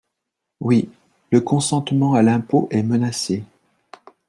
Oui, le consentement à l’impôt est menacé.